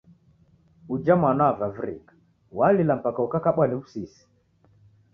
Uja mwana wavivirika. Walila mpaka ukakabwa ni w'usisi.